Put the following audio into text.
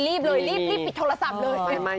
รีบเป็นทุกที่โทรศัพท์เลย